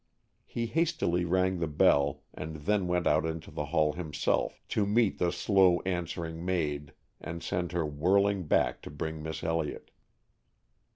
He hastily rang the bell and then went out into the hall himself to meet the slow answering maid and send her whirling back to bring Miss Elliott.